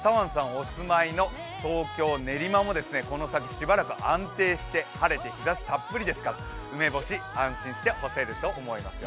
お住まいの東京・練馬もこの先、安定して晴れて日ざしたっぷりですから梅干し、安心して干せると思いますよ。